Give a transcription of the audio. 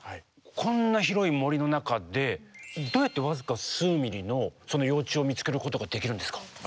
こんな広い森の中でどうやって僅か数ミリのその幼虫を見つけることができるんですか？